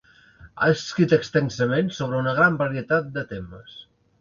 Ha escrit extensament sobre una gran varietat de temes.